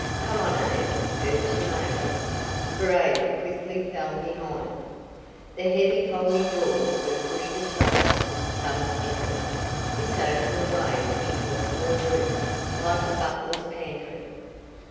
"Come on, Abe," urged the major, for Abe quickly fell behind. The heavy folding doors were pushed aside with some effort. This opened the way into a small room like a butler's pantry.